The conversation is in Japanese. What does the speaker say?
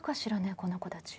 この子たち。